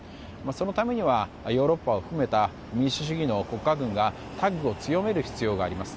そのためにはヨーロッパを含めた民主主義の国家群が関係を強める必要があります。